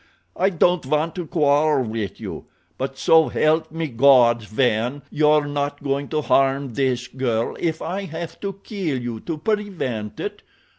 I don't want to quarrel with you, but so help me God, Sven, you're not going to harm this girl if I have to kill you to prevent it.